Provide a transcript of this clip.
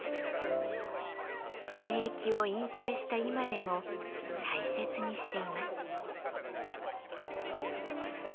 現役を引退した今でも大切にしています。